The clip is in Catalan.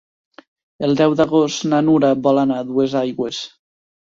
El deu d'agost na Nura vol anar a Duesaigües.